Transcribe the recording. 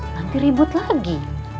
nanti ribut lagi